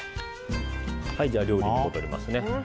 じゃあ、料理に戻りますね。